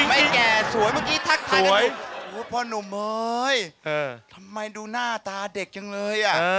ไม่แก่สวยเพราะพ่อหนุ่มเฮ้ทำไมดูหน้าตาเด็กจังเลย